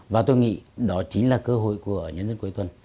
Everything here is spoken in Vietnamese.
và tôi nghĩ đó chính là cơ hội của nhân dân cuối tuần